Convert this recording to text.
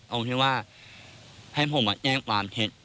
เอาแค่ว่าให้ผมแจ้งความเท็จ